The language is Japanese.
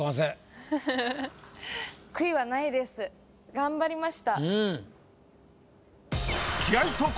頑張りました。